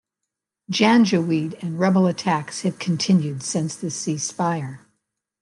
Janjaweed and rebel attacks have continued since the ceasefire.